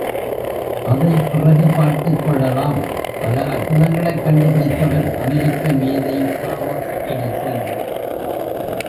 அதைப்பிறகு பார்த்துக்கொள்ளலாம் பல அற்புதங்களைக் கண்டுபிடித்தவர் அமெரிக்க மேதை தாமஸ் எடிசன்.